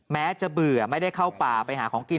แม้จะเบื่อไม่ได้เข้าป่าไปหาของกิน